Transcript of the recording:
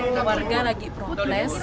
keluarga lagi protes